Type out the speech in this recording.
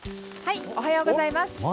おはようございます。